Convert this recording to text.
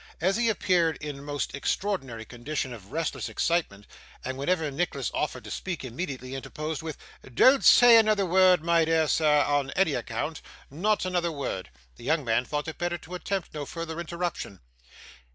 As he appeared in a most extraordinary condition of restless excitement, and whenever Nicholas offered to speak, immediately interposed with: 'Don't say another word, my dear sir, on any account not another word,' the young man thought it better to attempt no further interruption.